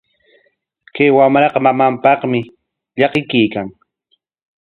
Chay wamraqa mamanpaqmi llakikuykan.